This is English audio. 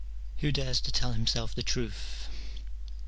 Who dares to tell himself the truth